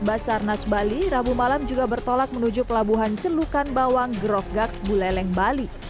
basarnas bali rabu malam juga bertolak menuju pelabuhan celukan bawang grogak buleleng bali